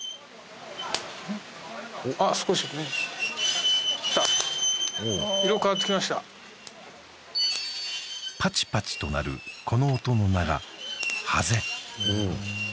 あっ少しきた色変わってきましたパチパチと鳴るこの音の名が「ハゼ」